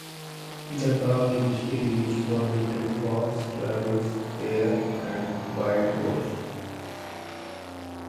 The dog is still used for hunting fox, rabbits, hare, and wild boar.